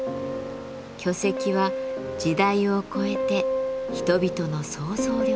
巨石は時代を超えて人々の想像力を刺激しています。